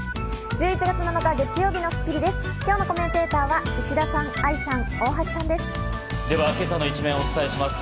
１１月７日、月曜日の『スッキリ』です。